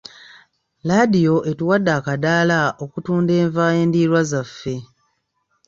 Laadiyo etuwadde akaddaala okutunda enva endiirwa zaffe